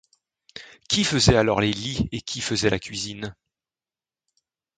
Qui faisait alors les lits et qui faisait la cuisine ?